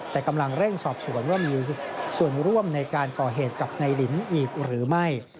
แต่กำลังเร่งสอบสวนว่ามีส่วนร่วมในการก่อเหตุกับนายลินอีกหรือไม่